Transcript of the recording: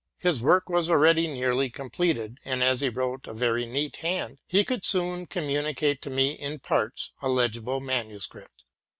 His work was already nearly completed ; and, as he wrote a very neat hand, he could soon communicate to me, in parts, a legible manuscript.